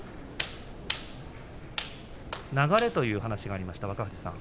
流れという話がありました若藤さん